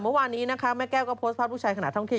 เมื่อวานนี้นะคะแม่แก้วก็โพสต์ภาพลูกชายขณะท่องเที่ยว